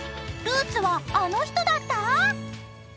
［ルーツはあの人だった⁉］